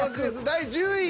第１０位。